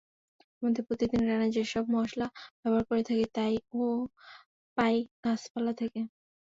আমাদের প্রতিদিনের রান্নায় যেসব মসলা ব্যবহার করে থাকি, তা-ও পাই গাছপালা থেকে।